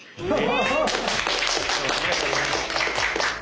はい。